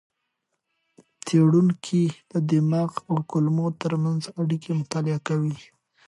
څېړونکي د دماغ او کولمو ترمنځ اړیکې مطالعه کوي.